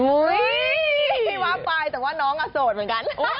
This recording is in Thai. อุ้ยไม่ว่าปลายแต่ว่าน้องอโสดเหมือนกัน